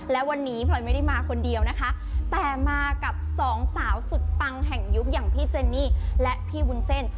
และวันนี้พลอยไม่ได้มาคนเดียวนะคะแต่มากับสองสาวสุดปังแห่งยุคอย่างพี่เจนี่และพี่วุ้นเส้น